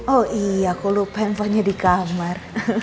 oh iya aku lupa handphonenya di kamar